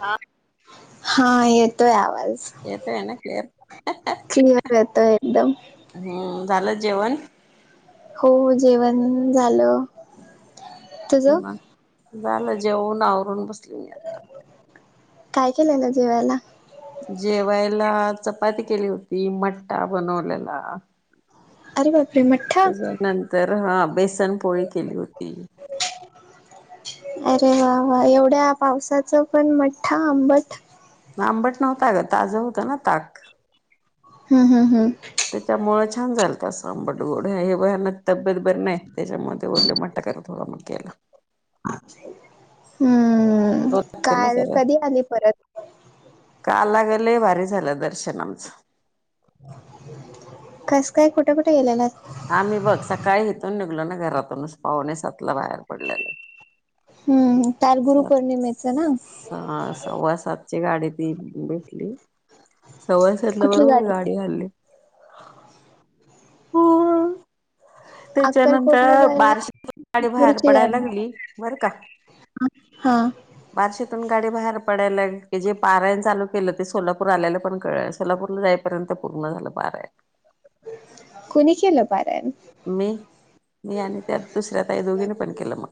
हा. हा येतोय आवाज येतोय ना क्लिअर क्लिअर येतोय एकदम. म झालं जेवणं? हो जेवण झालं. तुझं [unintelligible] झालं जेवण आवरून बसली मी. आता काय केलंय ना जेवायला? जेवायला चपाती केली होती, मट्टा बनवलेला. अरे बापरे मठ्ठा? नंतर हां बेसन पोळी केली होती. अरे वा वा एवढ्या पावसाचं पण मठ्ठा आंबट. म आंबट नव्हत ग ताजं होतं ना ताक. हम्म हम्म हम्म. त्याच्यामुळे छान झालंत अस आंबट गोड हे भयानक तब्येत बरी नाही. त्याच्यामुळ ते बोलले मठ्ठा करा थोडा मग केला. हम्म तो लागते ना काल कधी आली परत? कालला ग लय भारी झालं दर्शन आमचं कस काय, कुठे कुठे गेलेलात? आम्ही बघ सकाळी इथून निघालो ना घरातूनच पावणे सातला बाहेर पडलेलं हम्म काल गुरु पौर्णिमेच ना हा सव्वा सातची गाडी ती भेटली, सव्वा सातला बरोबर गाडी डी हलली. हो. अक्कलकोटला त्याच्यानंतर जायला बारशीतून गाडी बाहेर पडायला लागली, बर का हा हा. बारशीतून गाडी बाहेर पडायला की जे पारायण चालू केलं ते सोलापूर आल्याला पण कळल नाय. सोलापूरला जाय पर्यंत पूर्ण झालं पारायण. कुणी केलं पारायण? मी, मी आणि त्या दुसऱ्या ताई, दोघीनी पण केलं मग.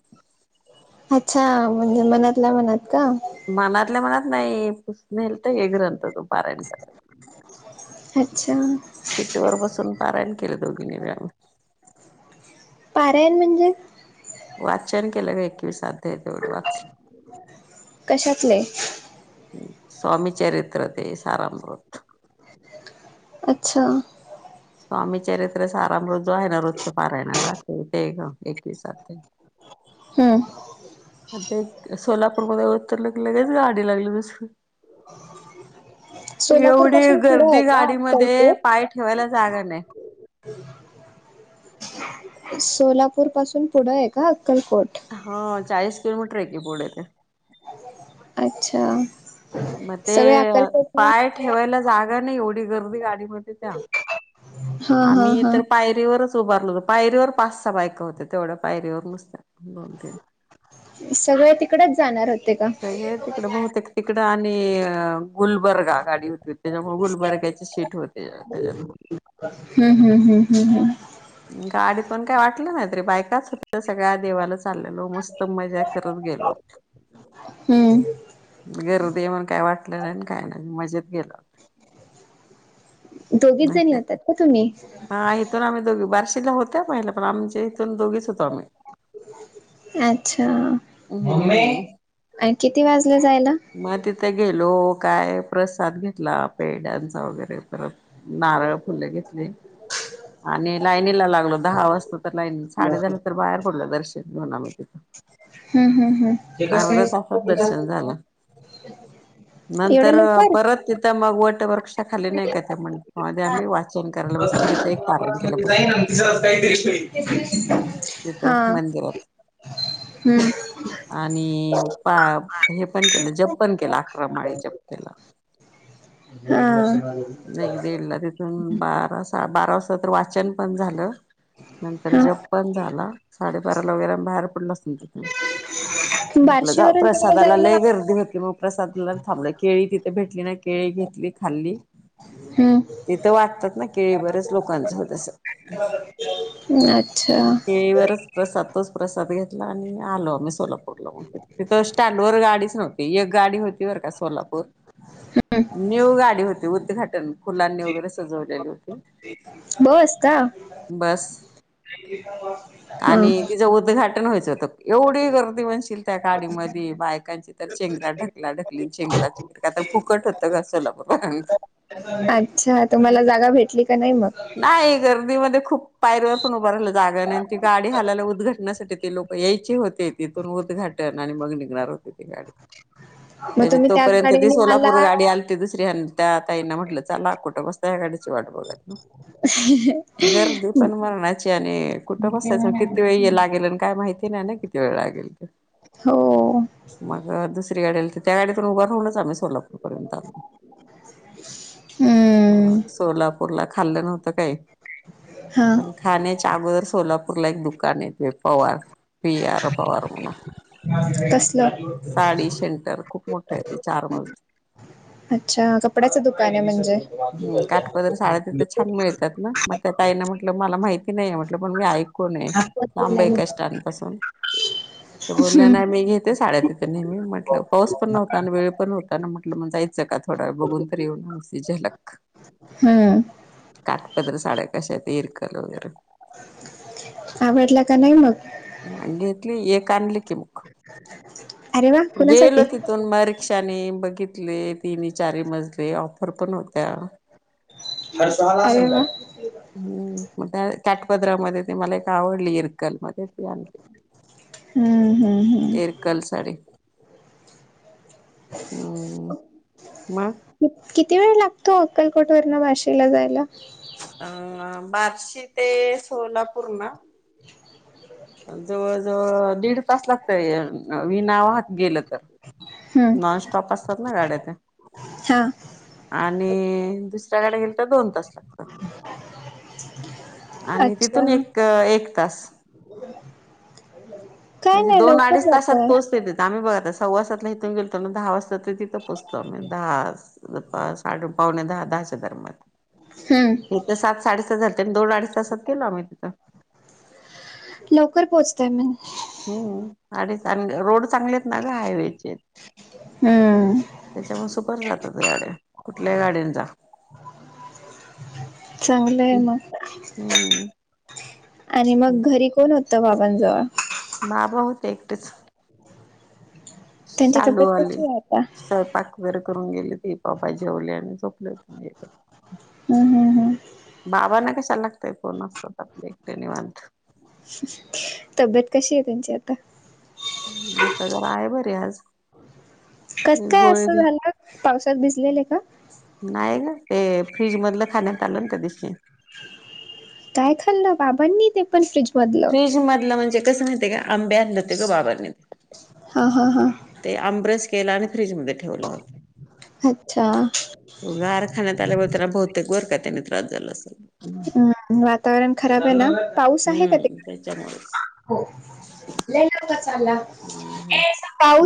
अच्छा म्हणजे मनातला मनात का. मनातल्या मनात नेलत एक [unintelligible] पारायण अच्छा सीट वर बसून पारायण केलं दोघींनी बी आम्ही. पाारायण म्हणजे? वाचन केलं ग एकवीस अध्याय तेवढे वाच कशातले स्वामी चरित्र ते सारामृत. [inaudible] अच्छा. स्वामी चरित्र सारामृतला हाय ना रोजच पारायण आहे ना, ते ते एकविस अध्याय. हम्म. आता एक सोलापूरमध्ये उतरलो की लगेच गाडी लागली दुसरी. सोलापूर एवढी पासून पुढे आहे गर्दी का गाडीमध्ये अक्कलकोट पाय ठेवायला जागा नाही. सोलापूर पासून पुढं आहे का अक्कलकोट. हा चाळीस किलोमीटर आहे की पुढे. अच्छा! मग ते सगळे अक्कलकोटला पाय ठेवायला जागा नाही एवढी गर्दी गाडीमध्ये त्या- हा हा आम्ही हा तर पायरीत बसलो. उभारलं होतो पायरीवर पाचसा बायका होत्या तेवढ्या पायरीवर नुसत्या. हे सगळ्या तिकडच जाताय. सगळे तिकड बहुतेक तिकडं आणि गुलबर्गा गाडी होती त्याच्यामुळे गुलबर्ग्याची सीट होती. ते आहे ते आहे. हम्म हम्म हम्म हम्म हम्म गाडीत पण काय वाटलं नाही तरी बायकाच होत सगळ्या देवालाच चाललेलो मस्त मजा करत गेलो. हम्म गर्दी मण काय वाटलं नाही काय नाही मजेत गेलं. दोघीच जणी होतात का तुम्ही. हा इथून आम्ही दोघी, बारशीला होत्या महिला पण आमच्या इथून दोघीच होतो आम्ही. अच्छा हम्म किती वाजले जायला? मग तिथे गेलो काय प्रसाद घेतला पेडांचा वगैरे परत, नारळ फुले घेतली. आणि लाईनी लागलो दहा वाजता तर लाईन साडे झाल्या तर बाहेर पडलं दर्शन म्ह तिथ हम्म हम्म हम्म अर्ध्या तासात दर्शन झालं. एवढ्या नंतर लवकर परत तिथं मग वट वृक्षाखाली नाही का ते म्हण म आम्ही वाट पाहिली. ्डाजाईना आणि तिसर काहीतरी होईल. [inaudible] तिथं हां मंदिरात. हम्म आणि पा हे पण केलं, जप पण केलं, अकरा माळी जप केला. हा. एक दीड ला तिथून बारा बारास तर वाचन पण झालं, नंतर हा जप पण झाला, साडेबाराला वगैरे बाहेर पडलं असेल तिथून, आपल जा बार्शीवरून तिकडे प्रसादाला जायला लय गर्दी होती मग. प्रसादला थांबल केळी तिथे भेटली नाई तिथ केळी घेतली खाल्ली. हम्म तीत वाटतात ना केळी, बरेच लोकांचं होतस. अच्छा हम्म. केळीवरच प्रसाद तोच प्रसाद घेतला आणि आलो आम्ही सोलापूरला. तिथ स्टँड वर गाडीच नव्हती, एक गाडी होती. बर का सोलापूर, न्यू गाडी होती उद्घाटन फुलांनी वगैरे सजवलेली होतं. बरं बस, हा तिचं उद्घाटन व्हायचं होत. एवढी गर्दी मनशील त्या गाडीमध्ये बायका कांची तर चेंगरा ढकला ढकली, चेंगरा चेंगरी, कातर फुकट होतं गं सोलापूर लाऽ अच्छा, तुम्हाला जागा भेटली का नाही मग? नाही, गर्दीमध्ये खूप पायरीवर पण उभं राहिलं जागा नाही, आणि ती गाडी हालायला उद्घटनासाठीऽ ते लोक यायचे होते, तिथून उद्घाटन आणि मग निघणार होते. मग त्या तुम्ही त्याच तोपर्यंत ती गाडीने सोलापूर गाडी आलात आलती त स्त्रिया त्या ताईना म्हटलं चला, कुठं बसता या गाडीची वाट बघत ना. [inaudible] गर्दी पण मरणाची, आणि कुठं बसायचं किती वेळ ये लागेल आणि काय माहिती नाही ना कित वेळ [unintelligible] हो. मग दुसरी गाडी आली त त्या गाडीतून उभा राहून च आम्ही कोल्हापूर पर्यंत, [unintelligible] मग हम्म सोलापूरला खाल्लं नव्हतं काय? हा. खाण्याच्या अगोदर सोलापूरला एक दुकान येतय पवार, पी आर पवार म्हणुन. तसलं. सेंटर खूप मोठं आहे ते चार मजली अच्छा, कपड्याचं दुकान आहे म्हणजे. [unintelligible] साड्या तिथे छान मिळतात ना, मग त्या ताईना म्हटलं मला माहिती नाही हाय म्हटल पण मी ऐ कोण आहे? लांब आहे का स्टॅन्डपासून, त्या बोलल्या हम्म, नाही मी घेते साड्या ति नेहमी म्हटलं पाऊस पण नव्हता आणि वेळ पण होता ना, म्हटलं मग जायचं का थोडा बघून तरी येऊन नूसती झलक. हम्म. काटपदर साड्या कशात ते इरक [unintelligible] आवडला का नाही मग? घेतली एक आणली की मग, अरे वा गेलो कुणासाठी तिथून मर कक्षाने बघितले, तीनी चारी मजले ऑफर पण होत्या. अरे वा. हम्, [unintelligible] त्या कॅटपदरामध्ये ते मला एक आवडली इरकल मध्ये. [unintelligible] हम्म, हम्म. ते इरकल साडी. हम, मग. किती वेळ लागतो अक्कलकोटवरन वाशिला जायला? अ बार्शी ते सोलापूर ना. [inaudible] जवळ जवळ दीड तास लागतय. वि नावहात गेलं तर, हम्म. नॉनस्टॉप असतात ना गाड्या त्या. हा आणि दुसऱ्या गाड्या गेल तर दोन तास लागतात. आणि अच्छा तिथून एक एक तास. [inaudible] म्हणजे दोन लवकर अडीच तासात जातोय पोहचतय तिथं, आम्ही बघा आता सव्वा सातला इथून गेल पण दहा वाजता ते तिथं पोचतो आम्ही दहा [unintelligible] पावणे दहा [unintelligible] दरम्यान. हम्म इथं सात साडेसात झालतेत दोन अडीच तासात गेलो आम्ही तिथं. लवकर पोहोचताय मग. हम्म आणि चांग रोड चांगलेत ना गं हायवेचे. हम्म त्याच्यामुळे सुपर जातात गाड्या कुठल्याही गाडीन जा. चांगलं आहे मग. हम्म. आणि मग घरी कोण होत बाबांजवळ. बाबा होते एकटेच. त्यांची सालू तब्येत आले, कशी आहे आता स्वयपाक. वरी करून गेली होती पापाई जेवले आणि झोपलेत [unintelligible] हम्म हम. बाबांना कशाला लागतय फोन असतात आपले एकटे निवांत.. [inaudible] तब्येत कशी आहे तुमची आता. हम्म आता जरा आहे बरी आज. कस काय गोळे असं घे झालं, पावसात भिजलेले का? नाही ना, ते फ्रीज मधलं खाण्यात आलं ना त्या दिवशी काय खाल्ल बाबांनी ते पण फ्रीज मधलं. फ्रीज मधलं म्हणजे कसं माहिते का आंबे आणले होते गं बाबांनी. हा हा हा. ते आमरस केलं आणि फ्रीजमध्ये ठेवलं होत. अच्छा! गार खाण्यात आल्यामुळे त्यांना बहुतेक बर का त्याने त्रास झाला असेल. हम्म वातावरण खराब आहे ना, पाऊस आहे का हम्म तिकडे? त्याच्यामुळेच हो, लई दंगा चालला हम्म हम्म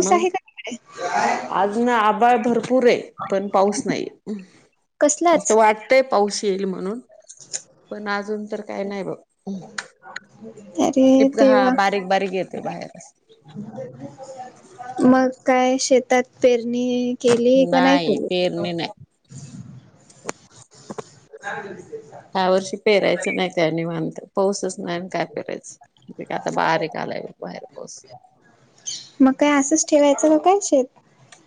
मग आज ना आभाळ भरपूर आहे पण पाऊस नाहीे, असं कसलाच वाट- -तय पाऊस येईल म्हणून पण अजून तर काय नाही बघ अरे टिपका हा देवा बारीक बारीक येतोय बाहेर? मग काय शेतात पेरणी केलीये का नाही केली. पेरणी नाही [inaudible] ह्या वर्षी पेरायचं नाही. त्याने निवांत पाऊसच नाही काय पेरायचं, आता बारीक आलाय बघ बाहेर पाऊस. मग काय असंच ठेवायचं का काय शेत?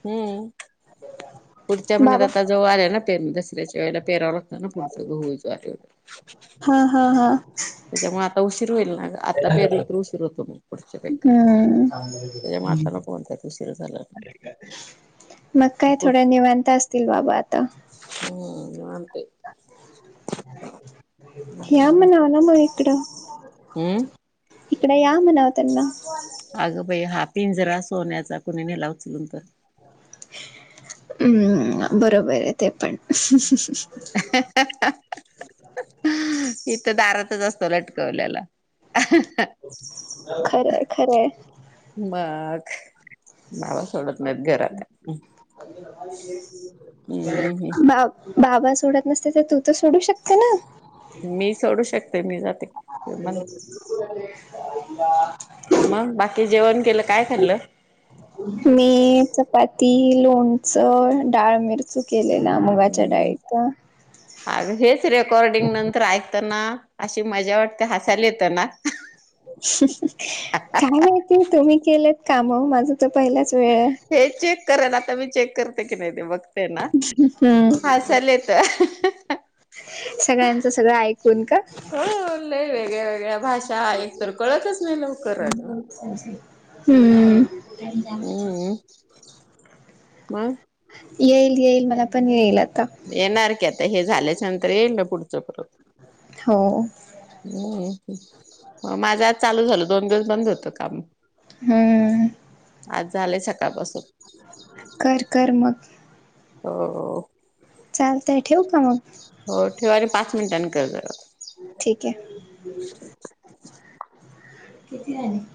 हम्म. [inaudible] पुढच्या म्हण्यात बाबा आता जवळ आली ना पेरणी दसऱ्याच्या वेळेला पेराव लागत ना पुढचा गहू ज्वारी आ हा हा हा. त्याच्यामुळ आता उशीर होईल ना आत्ता पेरलं तर उशीर होतो मग पुढच्या पिकाला हम्म त्याच्या म आता नको. म्हणून तर उशीर झाल? मग काय थोड्या निवांत असतील बाबा आता? हं निवांत आहे? या म्हणावं ना मग इकडं. हम्म. इंकडे या म्हणाव त्यांना. अग्गबाई हा पिंजरा सोन्याचा कुणी नेला उचलून तर हम्म बरोबर आहे ते पण [unintelligible] ह हं हं हं इथं दारातच असतो लटकवलेला. खरंय खरंय. मग. बाबा सोडत नाहीत घरात हम्म हम्म हम्म. बा बाबा सोडत नसते तर तू तर सोडू शकते ना? मी सोडू शकते मी जात पुराले मंग बाकी जेवण केलं काय खाल्लं. मी चपाती लोणचं डाळ मिरची चूरा, केलेला मुगाच्या डाळीचा अरे हेच रेकॉर्डिंग नंतर ऐकताना. अशी मजा वाटते हसायला येतं ना काय माहिती तुम्ही केलेत काम माझं तर पहिलाच वेळ आहे. हे चेक कराना आता मी चेक करते की नाही ते बघ ते ना हम्म. हसायला येत. सगळ्यांचं सगळं ऐकून का. हो लय वेगळ्या वेगळ्या भाषा एकतर कळतच नाही लवकर. हम्म मग हु येईल येईल मला पण, येईल आत्ता. येणार की आता हे झाल्याच्या नंतर येईल ना पुढच परत हो माझं आज चालू झालं दोन दिवस बंद होतं काम. हं. आज झालेय सकाळपासून कर कर, मग हो हो चालतय ठेऊ का मग. हो ठेवा की पाच मिनिटांनी कर जरा ठीक आहे किती राहिले